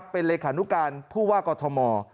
เป็นเลขานุการผู้ว่ากอทม